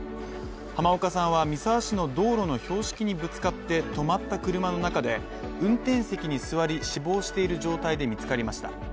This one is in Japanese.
濱岡さんは三沢市の道路の標識にぶつかって止まった車の中で運転席に座り死亡している状態で見つかりました。